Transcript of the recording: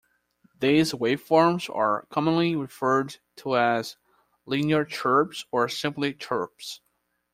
These waveforms are commonly referred to as linear chirps or simply chirps.